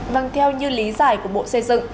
vâng theo như lý giải của bộ xây dựng